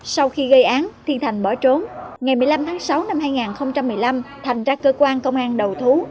sau khi gây án thiên thành bỏ trốn ngày một mươi năm tháng sáu năm hai nghìn một mươi năm thành ra cơ quan công an đầu thú